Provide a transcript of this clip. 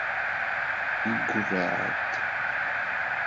Yeggurreɛ-d.